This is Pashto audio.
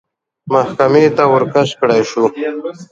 محاکمې ته ورکش کړای شو